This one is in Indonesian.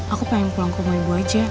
aku pengen pulang ke rumah ibu aja